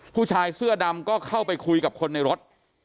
ผู้ชายเสื้อดำก็เข้าไปคุยกับคนในรถ